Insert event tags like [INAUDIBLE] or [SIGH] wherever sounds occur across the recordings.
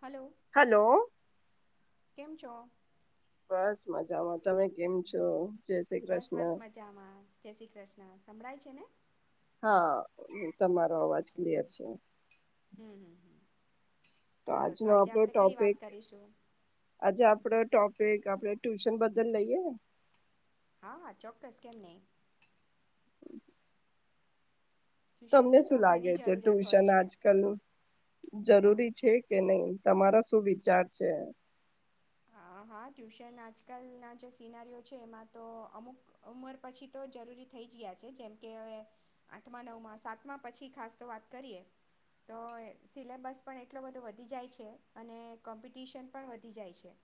Hello hello. કેમ છો બસ મજામાં, તમે કેમ છો? જય શ્રી બસ, કૃષ્ણ બસ મજામાં, જે શ્રી કૃષ્ણ. સંભળાય છે ને? હાં, તમારો અવાજ ઓકે ક્લિયર ઓકે છે. હમ હમ હમ તો બોલો આજનો આજે આપણો આપણે કઈ વાત ટોપિક કરીશું આજે આપડો ટોપ પિક આપડે ટ્યુશન બદલ લઈએ? હા, ચોક્કસ કેમ નઈ? તમને ટ્યુશનની શું તો લાગે ઘણી છે જરૂરિયાત હોય ટ્યુશન છે આજકાલ હા જરૂરી છે કે નઈ? તમારો શું વિચાર છે? હા હા, ટ્યુશન આજકાલના જે સિનારીઓ છે એમાં તો અમુક ઉંમર પછી તો જરૂરી થઈ જ ગયા છે જેમકે અવે આઠમા નવમાં સાતમાં પછી ખાસ તો વાત કરીએ, તો અ સિલેબસ પણ એટલો બધો વધી જાય છે અને કોમ્પિટિશન પણ વધી જાય છે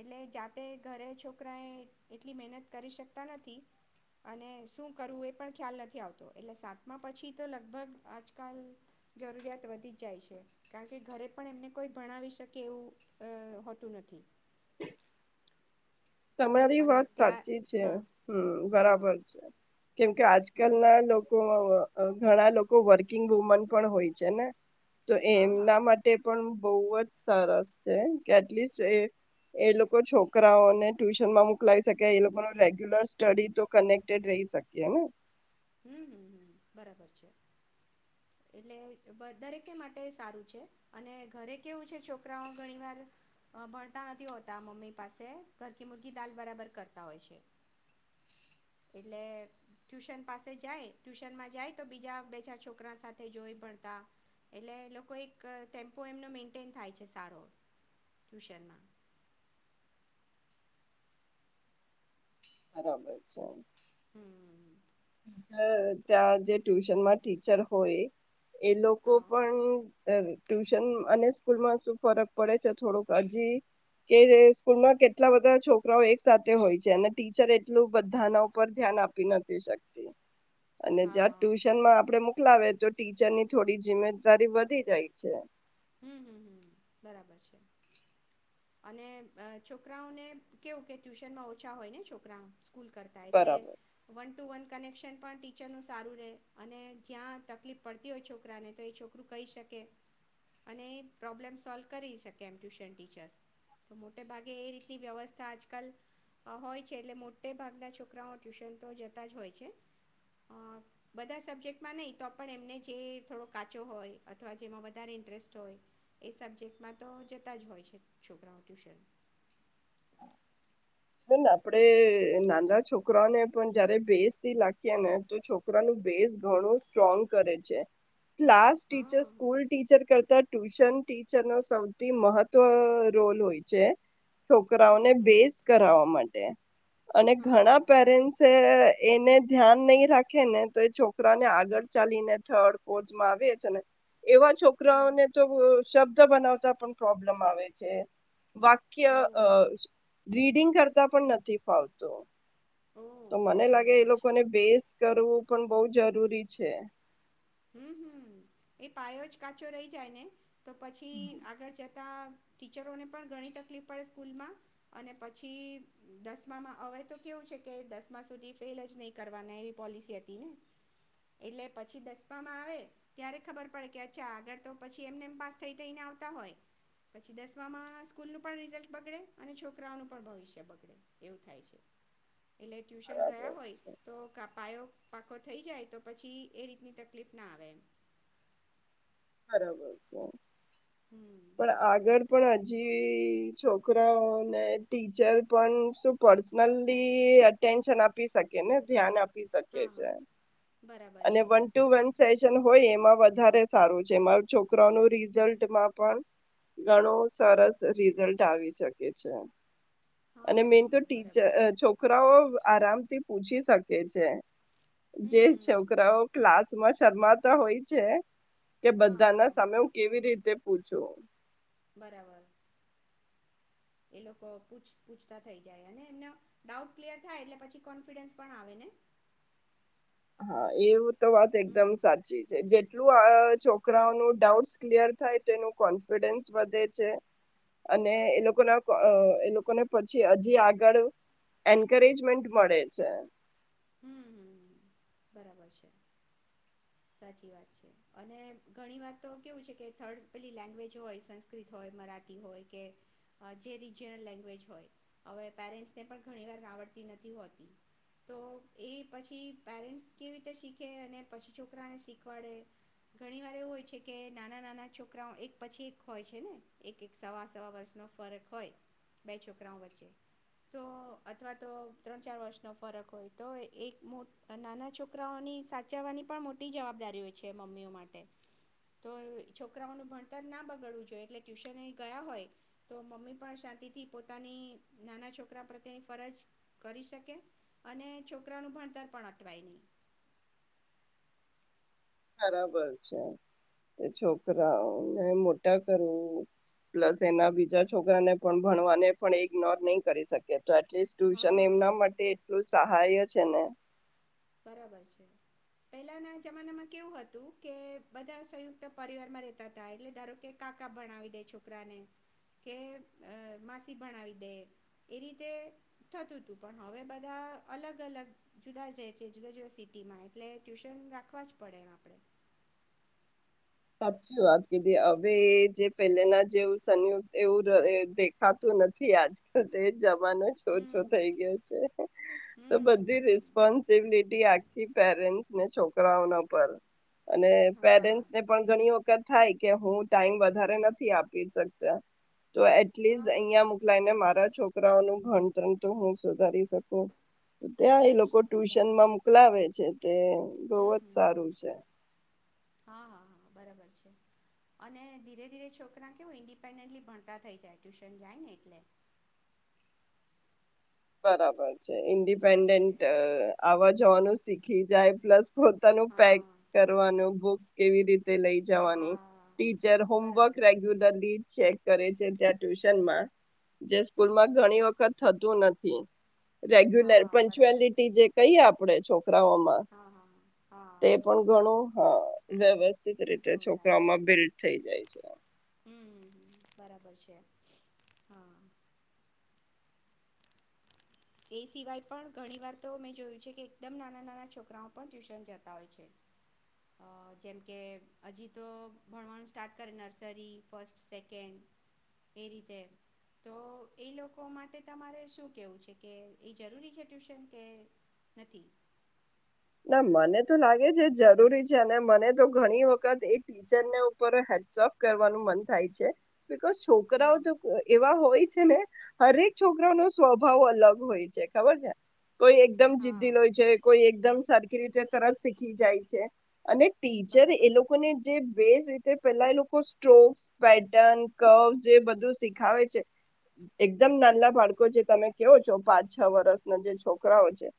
એટલે જાતે ઘરે છોકરાએ એટલી મહેનત કરી શકતા નથી અને શું કરવું એ પણ ખ્યાલ નથી આવતો એટલે સાતમા પછી તો લગભગ આજકાલ જરૂરિયાત વધી જ જાય છે, કાણ કે ઘરે પણ એમને કોઈ ભણાવી શકે એવું અ હોતું નથી. તમારી અને વાત સાચી ત્યાં છે, હા હમ હા બરાબર છે, કેમ કે હા આજકલના લોકોમાં અ ઘણા લોકો વર્કિંગ વુમન પણ હોય છે ને? તો હા હા એમના માટે પણ બહુ જ સરસ છે કે એટલીસ્ટ એ એ લોકો છોકરાઓને ટ્યુશનમાં મોકલાવી શકે, એ લોકોનો રેગ્યુલર સ્ટડી તો કનેક્ટેડ રહી શકે ને? હમ બરાબર છે, એટલે દરેકે માટે સારું છે અને ઘરે કેવું છે છોકરાઓ ઘણી વાર અ ભણતા નથી હોતા મમ્મી પાસે ઘરકી મુર્ગી દાલ બરાબર કરતા હોય છે, એટલે ટયુશન પાસે જાય ટ્યુશનમાં જાય તો બીજા બે ચાર છોકરા સાથે જોય ભણતા, એટલે એ લોકો એક ટેમ્પો એમનો મેઈન્ટેઈન થાય છે સારો ટ્યુશનમાં બરાબર છે. હમ્મ. અ ત્યાં જે ટ્યુશનમાં ટીચર હોય એ લોકો હા પણ અહ ટ્યુશન અને સ્કૂલમાં શું ફરક પડે છે, થોડુંક અજી કે સ્કૂલમાં કેટલા બધા છોકરાઓ એક સાથે હોય છે અને ટીચર એટલું બધાના ઉપર ધ્યાન આપી નથી શક તી અને જ્યાં હા ટ્યુશનમાં આપડે મોકલાવે તો ટીચરની થોડી જિ્મેદારી વધી જાય છે. હમ્મ, હમ્મ, હમ્મ, બરાબર છે અને છોકરાઓને કેવું કે ટ્યુશનમાં ઓછા હોય ને છોકરા સ્કૂલ કરતા એટલે બરાબર. વન ટુ વન કનેક્શન પણ ટીચરનું સારું રેહ અને જ્યાં તકલીફ પડતી હોય છોકરાને, તો એ છોકરું કહી શકે. અને પ્રોબ્લેમ સોલ્વ કરી શકે એમ ટ્યુશન ટીચર, તો મોટે ભાગે એ રીતની વ્યવસ્થા આજકાલ હોય છે એટલે મોટે ભાગના છોકરાઓ ટ્યુશન તો જતા જ હોય છે. બધા સબ્જેક્ટમાં નહીં તો પણ એમને જે થોડો કાચો હોય અથવા જેમાં વધારે ઇન્ટરેસ્ટ હોય એ સબ્જેક્ટમાં તો જતા જ હોય છે છોકરાઓ ટ્યુશન. બેન આપડે નાના છોકરાને પણ જયારે ભેસ થી લખીએ ને તો છોકરાનું ભેસ ઘણું સ્ટ્રોંગ કરે છે. ક્લાસ ટીચર હા સ્કૂલ ટીચર કરતા ટ્યુશન ટીચર નો સૌથી મહત્વ રોલ હોય છે. હમ છોકરાઓને હમ બેઝ. માટે અને ઘણા હા પેરેન્ટસ એ એને ધ્યાન નહી રાખે ને તો એ છોકરાને આગળ ચાલીને થર્ડ ફોર્થમાં આવે છે ને એવા હમ છોકરાઓને તો શબ્દ બનાવતા પણ પ્રોબ્લેમ આવે છે. વાક્ય ઓ અહ રીડિંગ કરતા પણ નથી ફાવતું ઓ તો મને લાગે એ બરાબર છે લોકોને બેસ કરવું પણ બહુ જરૂરી છે. હમ્મ, હમ્મ, એ પાયો જ કાચો રહી જાય ને તો પછી આગળ ના ટીચરોને પણ ઘણી તકલીફ પડે સ્કૂલમાં અને પછી દસમામાં હવે તો કેવું છે કે દસમા સુધી ફેલ જ નહી કરવાના એવી પોલિસી હતી ને, એટલે પછી દસ માં આવે ત્યારે ખબર પડે કે અચ્છા આગળ તો પછી એમને એ પાસ થઈ થઈને આવતા હોય પછી દસમામાં સ્કૂલ ન પણ રિઝલ્ટ બગડે અને છોકરાઓનું પણ ભવિષ્ય બગડે એવું થાય છે. એટલે ટ્યુશન ગયા બરાબર હોય છે તો પાયો પાકો થઈ જાય તો પછી એ રીતની ત કલીફ ના આવે એમ. બરાબર છે. હમ પણ આગળ પણ હ જે છોકરાઓને ટીચર પણ શું પર્સનલી એટેન્શન આપી શકે ને ધ્યાન આપ હા હા પી બરાબર અને છે one to one session હોય એમાં વધારે સારું જેમાં છોકરાઓનું રિઝલ્ટમાં પણ ઘણો હા અને હા મેન તો હા ટીચર બરાબર છે અહ છોકરાઓ આરામ થી પૂછી શકે છે. જે હમ છોકરાઓ ક્લાસ મા શર્માત હોય છે કે હા બધા હા ના સામે હા હું કેવી રીતે પૂછું. બરાબર. એ લોકો પૂછ પૂછતા થઈ જાય અને એમના ડાઉટ ક્લિયર થાય એટલે પછી કોન્ફિડન્સ પણ આવે ને. હા એવું જ તો વાત હમ એકદમ સાચી છે. જે જો આ છોકરાઓનું ડાઉટસ ક્લિયર થાય તેનું કોન્ફિડન્સ વધે છે અને એ લોકોના અહ એ લોકોને પછી હજી આગળ એન્કરેજમેન્ટ મળે છે. હમ્મ બરાબર છે, સાચી વાત છે. અને ઘણી વાર તો કેવું છે કે થર્ડ પેલી લેંગ્વેજ હોય સંસ્કૃત હોય મરાઠી હોય કે જે રીજયનલ લેંગવેજ હોય, હવે પેરેન્ટ્સને પણ ઘણી વાર આવડતી નથી હોતી, તો એ પછી પેરેન્ટ્સ કેવી રીતે શીખે અને પછી છોકરાને શીખવાડે ઘણીવાર એવું હોય છે કે નાના નાના છોકરાઓ એક પછી એક હોય છે ને એક એક સવા સવા વર્ષનો ફરક હોય બે છોકરાઓ વચ્ચે તો અથવા તો ત્રણ ચાર વર્ષનો ફરક હોય. તો એક મો નાના છોકરાઓની સાચવવાની પણ મોટી જવાબદારી હોય છે મમ્મીઓ માટે, તો છોકરાઓનું ભણતર ના બગડવું જોઈએ એટલે ટ્યુશન ગયા હોય તો મમ્મી પણ શાંતિથી પોતાની નાના છોકરા પ્રત્યેની ફરજ કરી શકે, અને છોકરાનું ભણતર પણ અટવાય નહી. બરાબર છે. એ હમ છોકરાઓને મોટ ટા કરવું પ્લસ એના બીજા છોકરાને પણ ભણવાને પણ ઈગ્નોર નહી કરી શકે. તો એટલીસ્ટ ટ્યુશન એમના હા માટે એટલું જ સહાય છે ને બરાબર છે પહેલાના જમાનામાં કેવું હતું કે બધા સંયુક્ત પરિવારમાં રેતા તા એટલે ધારો કે કાકા ભણાવી દે છોકરાને, કે માસી ભણાવી દે એ રીતે થતું તું પણ હવે બધા અલગ-અલગ જુદા જ જુદા-જુદા સિટી માં એટલે ટ્યુશન રાખવા જ પડે એમ આપડે. સાચી વાત કીધી હવે એ જે પહેલેના જેવ સંયુક્ત એવું દ અહ દેખાતું નથી આજકાલ. તે જ માના છોછો હમ થઈ ગયો છે, તો બધી હમ રિસ્પોન્સિબિલિટી આખી પેરેન્ટ ને છોકરાઓનો પર અને હા પેરેન્ટસ ઘણી વખત થાય કે હું ટાઈમ વધારે નથી આપી શકતા તો હા એટલીસ્ટ હા હા અહિંયા મોકલાય ને મારા છોક છોકરાઓ નું ભણતર તો હું સુધારી શકું. ત્યાં એ સુધારી લોકો શકીએ ટ્યુશન બરાબર માં મોકલાવે છે. તે બહુજ હમ હમ સારું છે. હા, હા, હા, બરાબર છે અને ધીરે ધીરે છોકરા કેવું ઇન્ડિપેન્ડલી ભણતા થઈ જાય, ટ્યુશન જાય ને એટલે. બરાબર. એવું છે ઇન્ડિપેન્ડેન્ટ આવાજ જવાનું શીખી જાય પ્લસ પોતાનું પેક હા કરવાનું બુક કેવી રીતે લઈ જવાની, હા ટીચર હોમવર્ક બરાબર રેગ્યુલરલી ચેક કરે છે ત્યાં ટ્યુશન માં. જે હમ હમ સ્કૂલમાં હમ ઘણી વખત થતું નથી. [INAUDIBLE] રેગ્યુલર હા બરાબર છે પંચુઅલિટી જે કહીએ આપડે છો રવમાં હા હા તે હા પણ ઘણું હ. બરાબર. [UNINTELLIGIBLE] રીતે ઇમ્પ્રુવ થાય છોકરાઓમાં બિલ્ડ થઈ જાય છે. હમ હમ બરાબર છે હા. એ સિવાય પણ ઘણી વાર તો મેં જોયું છે કે એકદમ નાના-નાના છોકરાઓ પણ ટ્યુશન જતા હોય છે. અહ જેમ કે હજી તો ભણવાનું સ્ટાર્ટ કરે, નર્સરી, ફસ્ટ, સેકન્ડ એ રીતે, તો એ લોકો માટે તમારે શું કેવું છે? કે ઈ જરૂરી છે ટ્યુશન કે નથી? ના મને તો લાગે છે જરૂરી છે, અને મને તો ઘણી વખત એ ટીચરને ઉપર [UNINTELLIGIBLE] કરવાનું મન થાય છે. બિકોઝ છોકરાઓ હમ તો એવા હોય છે ને હરેક છોકરાવ નો સ્વભાવ અલગ હોય છે, ખબર છે, કોઈ એકદમ હા જિદ્દીલ હોય છે, કોઈ એકદમ સરખી રીતે તરત શીખી જાય છે. અને ટીચર એ બરાબર લોકોને જે બે રીત તે પેલા એ લોકો સ્ટ્રોક્સ, પેટન, કવ્હ એ બધું જ શીખાવે છે. એકદમ નાના બાળકો જે તમે કેવો છો પાંચ છ વર્ષના જે છોકરા હોય છે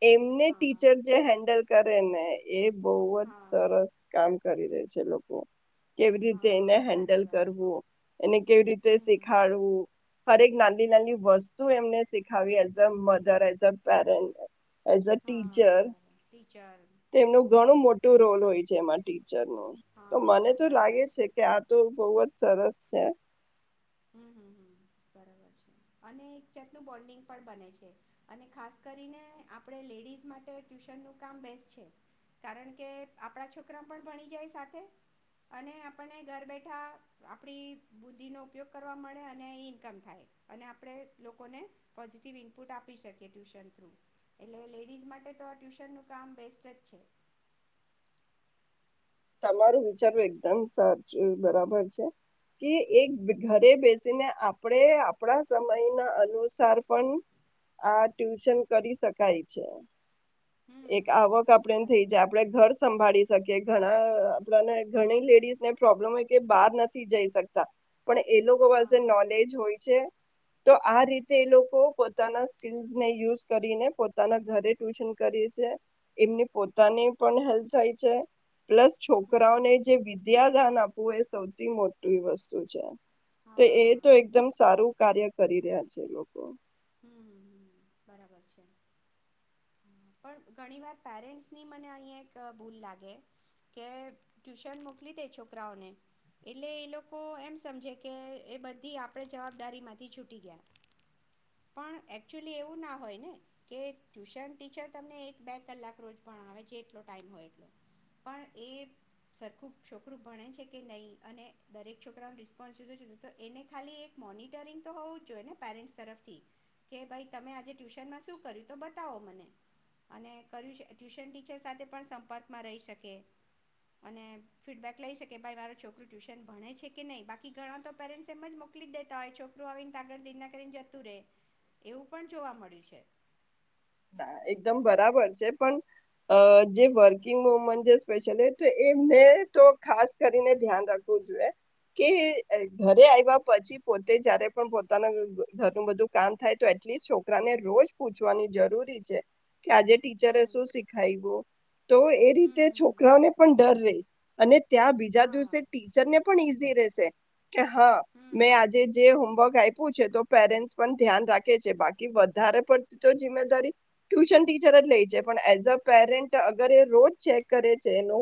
એમને હા હા ટીચર [UNINTELLIGIBLE] કરે ને એ બહુ જ હા સરસ કામ કરી રહે છે લોકો. કેવી રીતે એને હા હેન્ડલ સાચી વાત છે કરવું, એને કેવી રીતે હમ હમ હમ શીખાડવું, હરેક નાન [UNINTELLIGIBLE] વસ્તુ એમને શીખાવ્યે as a mother as a parent એમ. એઝ અ હા ટીચર બરાબર ટીચર તો એમનું ઘણું મોટ તો રોલ હોય છે એમાંથી. ટીચરનો. તો મને હા તો બરાબર લાગે છે કે આ તો બહુ જ સરસ સે. હમ્મ-હમ્મ. બરાબર છે. અને એક જાતનું બોન્ડિંગ પણ બને છે, અને ખાસ કરીને આપણે લેડીઝ માટે ટ્યુશનનું કામ બેસ્ટ છે, કારણ કે આપણા છોકરા પણ ભણી જાય સાથે, અને આપણને ઘર બેઠા આપડી બુદ્ધિ નો ઉપયોગ કરવા મળે, અને એ ઈન્કમ થાય. અને આપણે લોકોને પોઝિટિવ ઈનપુટ આપી શકીએ ટ્યુશન થ્રુ. એટલે લેડીઝ માટે તો આ ટ્યુશનનું કામ બેસ્ટ જ છે. તમારું વિચારવું એકદમ સાચું, બરાબર છે, કે એક ઘરે બેસીને આપણે આપણા સમય ના અનુસાર પણ આ ટ્યુશન કરી શકાય છે. એક હમ આવક આપડે એમ થઇ બરાબર જાય, આપડે ઘર સંભાળી છે કે ઘણા અહ આપણાને ઘણી લેડીઝ ને પ્રોબ્લેમ હોય કે બહાર નથી જઈ શકતા. પણ એ લોકો પાસે હા નોલેજ હોય છે, તો આ રીતે એ લોકો પોતાના સ્કીલ્સને યુઝ કરીને પોતાના ઘરે ટ્યુશન કરીએ છે, એમની પોતાને પણ હેલ્પ થાય છે, પ્લસ હમ છોકરાઓને જે વિદ્યા ધ્યાન આપવું એ સૌથી મોટી વસ્તુ છે. તે એતો એકદમ સારું કાર્ય કરી રહ્યા છે. એ લોકો. હમ્મ, બરાબર છે, પણ ઘણી વાર પેરેસની મને અહં એક ભૂલ લાગે, કે ટુશન મોકલી દે છોકરાઓને એટલે એ લોકો એમ સમજે કે એ બધી આપ જવાબદારી માંથી છૂટી ગયા. પણ એકચુલી એવું ના હોય ને કે ટ્યુશન ટીચર તમને એક બે કલાક રોજ ભાવ જેટલો ટાઈમ હોય એટલો, પણ એ સરખું છોકરું ભણે છે કે નહીં અને દરેક છોકરાનો રિસ્પોન્સ લીધો છે તો એને ખાલી એક મોનિટરિંગ તો હોવુંજ જોઈએ ને પેરેન્ટ્સ તરફથી કે ભાઈ તમે આજે ટ્યુશનમાં શું કર્યું તો બતાવો મને અને કર્યું ટ્યુશન ટીચર સાથે પણ સંપર્કમાં રહી શકે અને ફીડબેક લઈ શકે ભાઈ મારો છોકરું ટ્યુશન ભણે છે કે નહી, બાકી ઘણા તો પેરેન્ટ્સ એમ જ મોકલી જ દેતા હોય છોકરું આવીને આગળ દિનના કરીને જતું રે. એવું પણ જોવા મળ્યું છે. ના એકદમ બરાબર છે, પણ જે વર્કિંગ વુમન છે સ્પેશયલી એને તો ખાસ કરીને ધ્યાન રાખવું જોઈએ કે ઘરે આવ્યા પછી પોતે જયારે પણ પોતાના ઘરનું બધું કામ થાય તો એટલીસ્ટ છોકરાને રોજ પૂછવાની જરૂર છે, આજે ટીચરે હમ શું શીખાયું, તો એ હમ રીતે હમ છોકરાને પણ ડર રહી અને ત્યાં બીજા હા દિવસે ટીચર ને પણ ઈઝી રહેશે. કે હા હમ મેં આજે જે હોમ વર્ક આપ્યું છે, તો પેરેન્ટસ પણ ધ્યાન રાખે છે, બાકી વધારે પડતી તો જમ્મેદારી ટ્યુશન ટીચર જ લે છે, પણ એઝ અ પેરેન્ટ અગર એ રોજ ચેક કરે છે એનો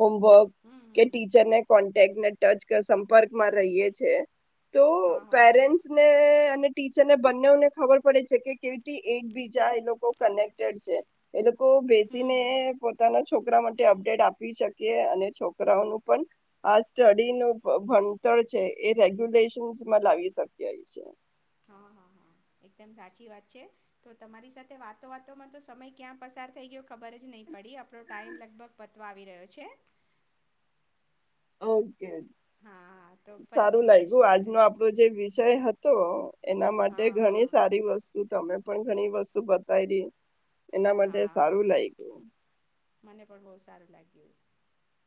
હોમવર્ક કે હમ ટીચરને કોન્ટેક્ટને ટચ સંપર્કમાં રહીયએ છે. તો હા હા હા પેરેન્ટ્સ ને અને ટીચર ને બંને ને ખબર પડે છે કે કેવી એક બીજા એલોકો કનેક્ટડ છે એ લોક કો બેસીને હમ પોતાનો છોકરા માટે અપડેટ આપી શકીએ અને છોકરાઓનું પણ આ સ્ટડીનું ભણતર છે, એ રેગ્યુલેશનમાં લાવી શકીએ છે. હા, હા, હા, એકદમ સાચી વાત છે, તો તમારી સાથે વાતો વાતોમાં તો સમય ક્યાં પસાર થઈ ગયો ખબરજ નહી પડી, આપડો ટાઈમ લગભગ પતવા આવી રહ્યો છે. ઓ કે હા તો ફરીથી સારું લાગ્યું મળીશું આપણે આજનો આપણો જે વિષય હતો એના માટે હા હા ઘણી સારી વસ્તુ તમે પણ ઘણી વસ્તુ બતાઈડી એના માટે સારું હા લાઈગુ ગયું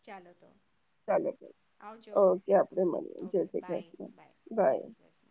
ચાલો તો. ચાલો, આવજો ઓકે આપે મળીએ, જય ઓકે શ્રી બાય કૃષ્ણ જય બાય. શ્રી કૃષ્ણ